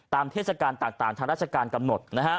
เทศกาลต่างทางราชการกำหนด